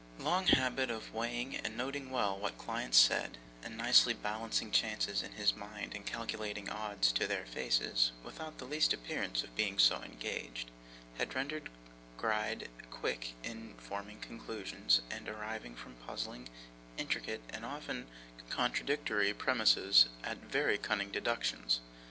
Long habit of weighing and noting well what clients said, and nicely balancing chances in his mind and calculating odds to their faces, without the least appearance of being so engaged, had rendered Gride quick in forming conclusions, and arriving, from puzzling, intricate, and often contradictory premises, at very cunning deductions.